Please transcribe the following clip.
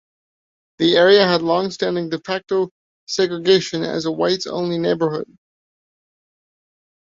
The area had longstanding "de facto" segregation as a whites-only neighborhood.